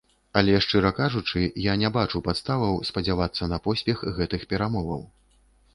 Але, шчыра кажучы, я не бачу падставаў спадзявацца на поспех гэтых перамоваў.